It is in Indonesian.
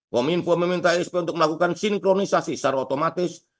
kominfo meminta sp untuk melakukan sinkronisasi secara otomatis